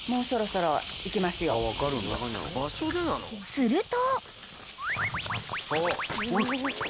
［すると］